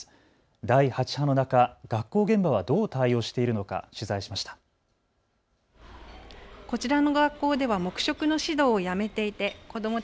第８波の中、学校現場はどう対応しているのか取材しました。